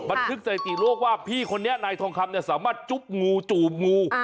บันทึกสถิติโลกว่าพี่คนนี้นายทองคำเนี่ยสามารถจุ๊บงูจูบงู